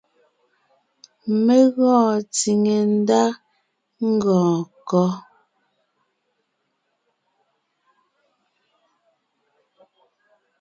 Mé gɔɔn tsìŋe ndá ngɔɔn kɔ́?